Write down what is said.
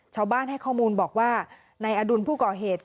ชาวบ้านให้ข้อมูลบอกว่านายอดุลผู้ก่อเหตุ